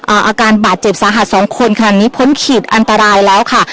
อาการบาดเจ็บสาหัสสองคนขนาดนี้พ้นขีดอันตรายแล้วค่ะ